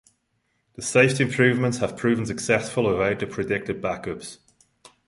The safety improvements have proven successful, without the predicted backups.